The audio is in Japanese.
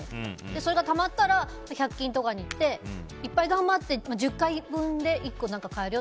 それがたまったら１００均とかに行っていっぱい頑張って１０回分で１個買えるよ。